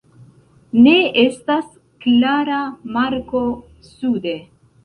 Ne estas klara marko sude.